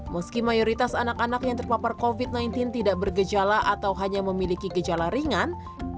meski mayoritas anak anak yang terpapar covid sembilan belas tidak bergejala atau hanya memiliki gejala ringan